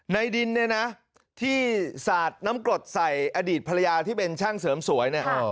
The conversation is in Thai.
ในดินเนี่ยนะที่สาดน้ำกรดใส่อดีตภรรยาที่เป็นช่างเสริมสวยเนี่ย